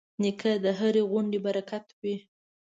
نیکه د هرې غونډې برکت وي.